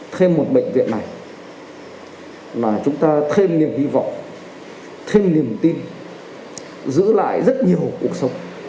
thêm một bệnh viện này mà chúng ta thêm niềm hy vọng thêm niềm tin giữ lại rất nhiều cuộc sống